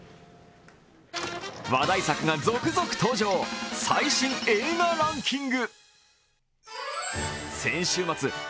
話題作が続々登場、最新映画ランキング。